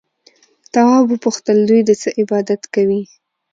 تواب وپوښتل دوی د څه عبادت کوي؟